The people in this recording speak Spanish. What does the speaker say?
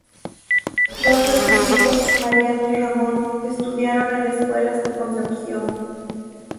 Dos de sus hijos, Mariano y Ramón, estudiaron en escuelas de Concepción.